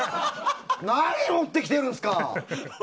何持ってきてるんですか！